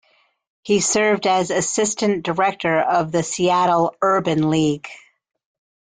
He served as Assistant Director of the Seattle Urban League.